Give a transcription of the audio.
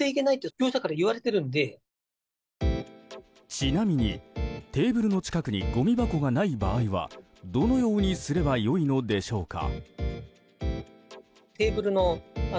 ちなみにテーブルの近くにごみ箱がない場合はどのようにすれば良いのでしょうか。